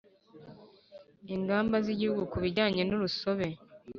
Ingamba z Igihugu ku bijyanye n urusobe